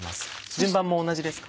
順番も同じですか？